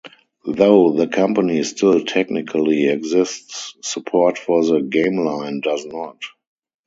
Though the company still technically exists, support for the GameLine does not.